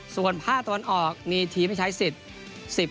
ส่วนภาคตะวันออกมีทีมให้ใช้สิทธิ์